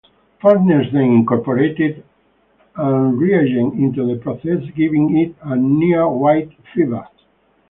Furness then incorporated an reagent into the process giving it an near white fibre.